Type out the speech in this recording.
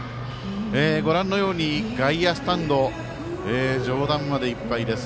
ご覧のように外野スタンド上段までいっぱいです。